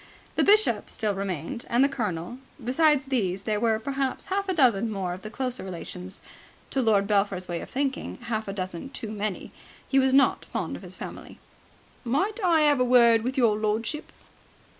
The Bishop still remained, and the Colonel. Besides these, there were perhaps half a dozen more of the closer relations: to Lord Belpher's way of thinking, half a dozen too many. He was not fond of his family. "Might I have a word with your lordship?"